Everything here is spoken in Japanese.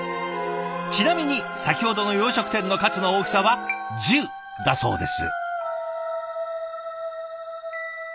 ちなみに先ほどの洋食店のカツの大きさは「１０」だそうです。